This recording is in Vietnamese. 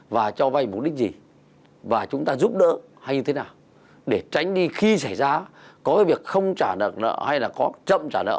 và cho vay mục đích gì và chúng ta giúp đỡ hay như thế nào để tránh đi khi xảy ra có cái việc không trả nợ hay là có chậm trả nợ